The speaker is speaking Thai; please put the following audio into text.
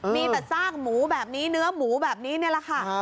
มีแต่ซากหมูแบบนี้เนื้อหมูแบบนี้นี่แหละค่ะ